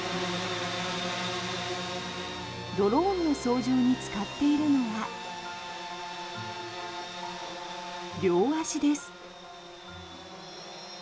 ドローンの操縦に使っているのは両足です。